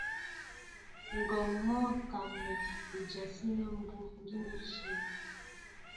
Ŋ̀hwɔn mɔ́ a kaǹnɛ ijasíní mbú' nɛ́ íshyə̂.